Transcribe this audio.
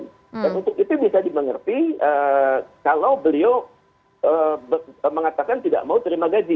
dan untuk itu bisa dimengerti kalau beliau mengatakan tidak mau terima gaji